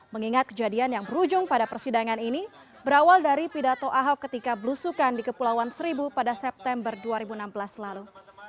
mengingat kejadian yang berujung pada persidangan ini berawal dari pidato ahok ketika belusukan di kepulauan seribu pada september dua ribu enam belas lalu